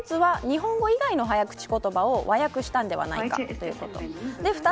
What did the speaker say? １つは日本語以外の早口言葉を和訳したのではないかということ。